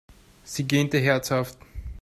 Sie gähnte herzhaft.